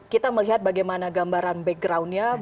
kita melihat bagaimana gambaran backgroundnya